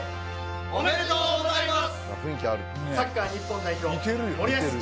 おめでとうございます。